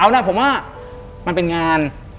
เอาล่ะผมว่ามันเป็นงาน